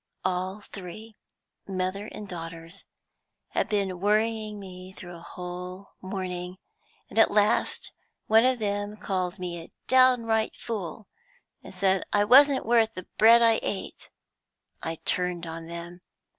All three, mother and daughters, had been worrying me through a whole morning, and at last one of them called me a downright fool, and said I wasn't worth the bread I ate. I turned on them.